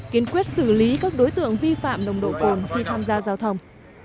kiến quyết xử lý các đối tượng vi phạm nồng độ cồn khi tham gia giao thông